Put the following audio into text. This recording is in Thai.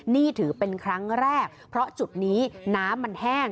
นี่ถือเป็นครั้งแรกเพราะจุดนี้น้ำมันแห้ง